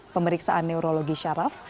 pemeriksaan neurologi syaraf